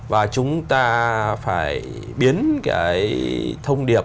và chúng ta phải biến cái thông điệp